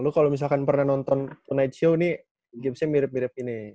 lu kalau misalkan pernah nonton the night show nih gamesnya mirip mirip ini